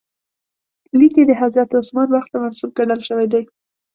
لیک یې د حضرت عثمان وخت ته منسوب ګڼل شوی دی.